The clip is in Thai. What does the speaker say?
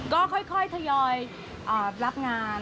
ก็ค่อยทยอยรับงาน